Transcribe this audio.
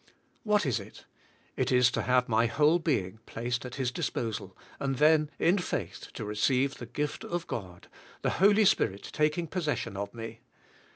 What is it? It is to have my whole being placed at His disposal, and then in faith to receive the gift of God, the Holy Spirit taking possession of me.